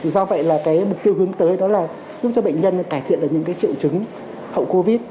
do vậy là cái mục tiêu hướng tới đó là giúp cho bệnh nhân cải thiện được những triệu chứng hậu covid